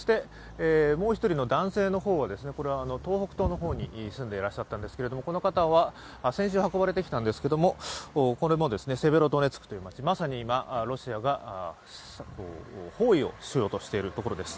もう一人の男性の方は、東北東の方に住んでいらっしゃったんですが、この方は先週運ばれていたんですが、セベロドネツク、まさに今、ロシアが包囲をしようとしているところです。